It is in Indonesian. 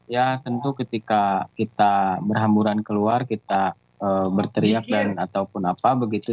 ya tentu ketika kita berhamburan keluar kita berteriak dan ataupun apa begitu